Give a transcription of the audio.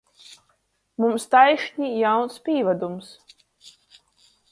Mums taišni jauns pīvadums!